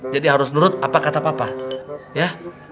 jadi harus nurut apa kata papa ya